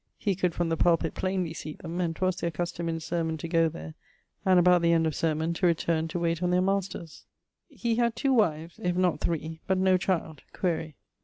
(He could from the pulpit plainly see them, and 'twas their custome in sermon to go there, and about the end of sermon to returne to wayte on their masters). He had two wives, if not three, but no child (quaere).